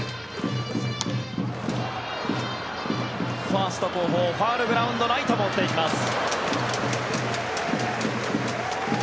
ファースト後方ファウルグラウンドライトも追っていきます。